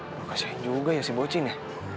nggak kesayang juga ya si bocin ya